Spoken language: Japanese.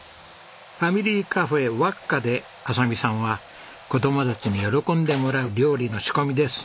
ファミリーカフェわっかで亜沙美さんは子供たちに喜んでもらう料理の仕込みです。